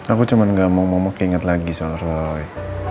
aku cuma gak mau mama keinget lagi solroy